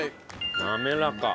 滑らか。